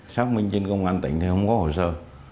xác minh trên công an tỉnh thì không có hồ sơ